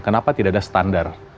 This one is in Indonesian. kenapa tidak ada standar